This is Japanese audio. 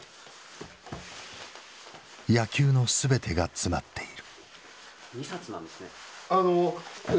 野球の全てが詰まっている。